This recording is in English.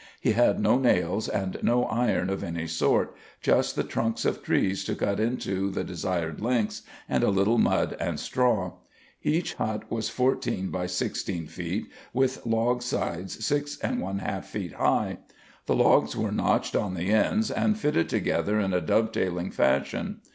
He had no nails and no iron of any sort, just the trunks of trees to cut into the desired lengths and a little mud and straw. Each hut was fourteen by sixteen feet, with log sides six and one half feet high. The logs were notched on the ends and fitted together in a dovetailing fashion.